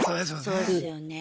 そうですよね。